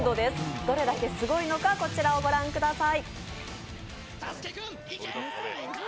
どれだけすごいのかこちらをご覧ください。